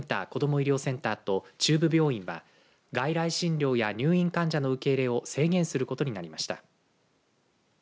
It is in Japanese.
医療センターと中部病院は外来診療や入院患者の受け入れを制限することになりました。